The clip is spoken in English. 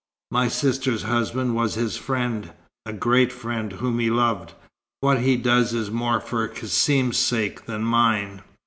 My sister's husband was his friend a great friend, whom he loved. What he does is more for Cassim's sake than mine."